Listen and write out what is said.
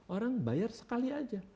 orang bayar sekali aja